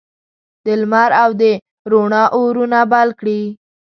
د لمر او د روڼا اورونه بل کړي